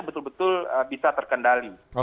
betul betul bisa terkendali